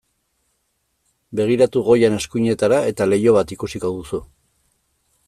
Begiratu goian eskuinetara eta leiho bat ikusiko duzu.